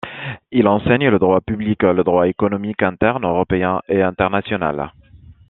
Il enseigne le droit public, le droit économique interne européen et international.